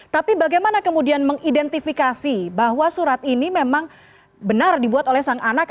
tapi bagaimana kemudian mengidentifikasi bahwa surat ini memang benar dibuat oleh sang anak